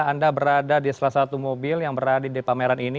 anda berada di salah satu mobil yang berada di pameran ini